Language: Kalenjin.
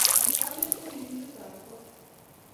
Kamet ko ribindet ab kot